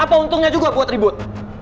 apa untungnya juga buat ribut